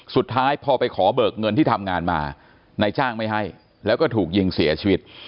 สุดท้ายพอไปขอเบิกเงินที่ทำงานมานายจ้างไม่ให้แล้วก็ถูกยิงเสียชีวิต